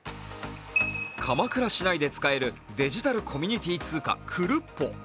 鎌倉市内で使えるデジタルコミュニティー通貨・クルッポ。